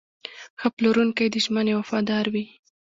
ښه پلورونکی د ژمنې وفادار وي.